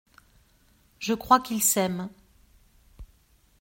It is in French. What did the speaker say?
Je crois qu’ils s’aiment.